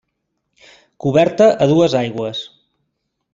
Coberta a dues aigües.